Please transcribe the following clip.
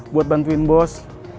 buat bantuin bos